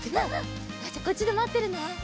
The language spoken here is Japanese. じゃあこっちでまってるね。